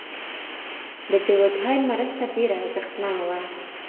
د دورکهایم مرسته ډیره ارزښتمنه وه.